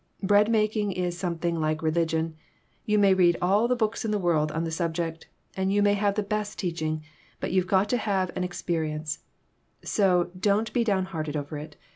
Bread making is some thing like religion ; you may read all the books in the world on the subject, and you may have the best teaching, but you've got to have an experi ence; so don't be downhearted over it.